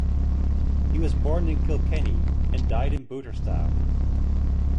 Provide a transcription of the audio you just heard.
He was born in Kilkenny, and died in Booterstown.